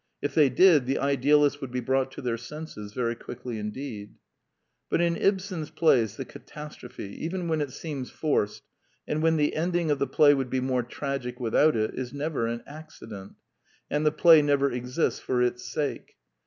If they did, the idealists would be brought to their senses very quickly indeed. But in Ibsen's plays the catastrophe, even when it seems forced, and when the ending of the play would be more tragic without it, is never an ac cident; and the play never exists for its sake.